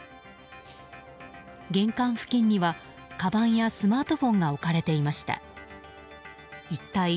玄関付近にはかばんやスマートフォンが置かれていました。